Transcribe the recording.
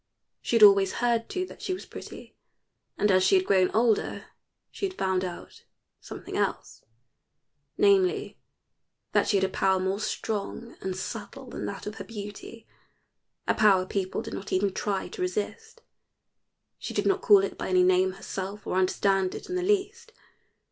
She had always heard too that she was pretty, and as she had grown older she had found out something else, namely, that she had a power more strong and subtle than that of her beauty a power people did not even try to resist. She did not call it by any name herself or understand it in the least.